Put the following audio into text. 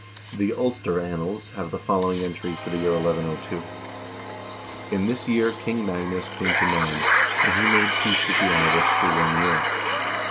The "Ulster Annals" have the follow ing entry for the year 1102: "In this year King Magnus came to Man, and he made peace with the Irish for one year."